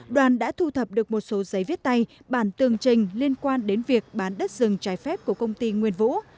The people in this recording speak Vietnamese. đoàn đã thu thập được một số giấy viết tay bản tường trình liên quan đến việc bán đất rừng trái phép của công ty nguyên vũ